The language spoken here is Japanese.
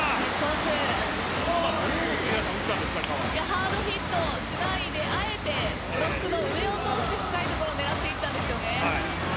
ハードヒットしないであえてブロックの上を通して深い所狙っていたんですけどね。